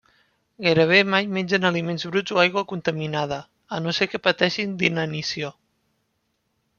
Gairebé mai mengen aliments bruts o aigua contaminada, a no ser que pateixin d'inanició.